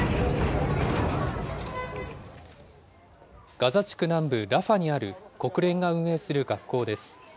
ガザ地区南部ラファにある国連が運営する学校です。